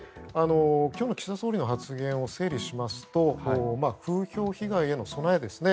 今日の岸田総理の発言を整理しますと風評被害への備えですね。